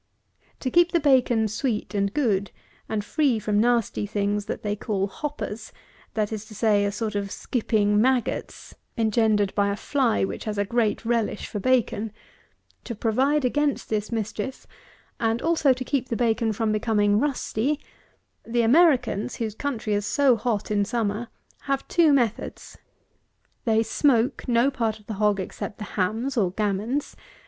151. To keep the bacon sweet and good, and free from nasty things that they call hoppers; that is to say, a sort of skipping maggots, engendered by a fly which has a great relish for bacon: to provide against this mischief, and also to keep the bacon from becoming rusty, the Americans, whose country is so hot in summer, have two methods. They smoke no part of the hog except the hams, or gammons.